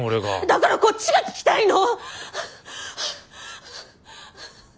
だからこっちが聞きたいの！